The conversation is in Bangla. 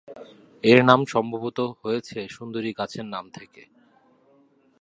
এর নাম সম্ভবত হয়েছে সুন্দরী গাছের নাম থেকে।